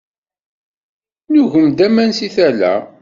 Nugem-d aman seg tala.